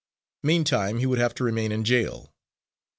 Meantime he would have to remain in jail.